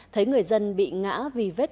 thấy người dân bị ngã vì vệnh